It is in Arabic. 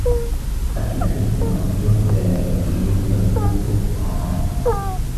أَتُحِبُّ أَنْ تُهْدَى إلَيْك عُيُوبُك ؟ قَالَ